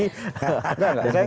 saya tidak menudung